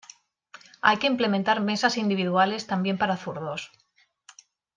Hay que implementar mesas individuales también para zurdos.